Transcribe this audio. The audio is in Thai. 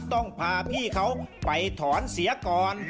ต้องพาพี่เขาไปถอนเสียก่อน